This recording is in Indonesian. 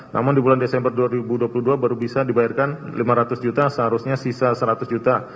namun di bulan desember dua ribu dua puluh dua baru bisa dibayarkan lima ratus juta seharusnya sisa seratus juta